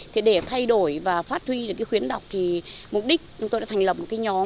thế để thay đổi và phát huy được cái khuyến đọc thì mục đích chúng tôi đã thành lập một cái nhóm